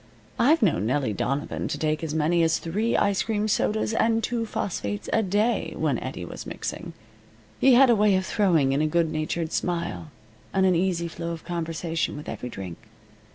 I've known Nellie Donovan to take as many as three ice cream sodas and two phosphates a day when Eddie was mixing. He had a way of throwing in a good natured smile, and an easy flow of conversation with every drink.